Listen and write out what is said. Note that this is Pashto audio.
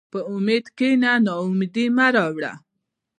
په امید کښېنه، ناامیدي مه راوړه.